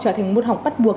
trở thành môn học bắt buộc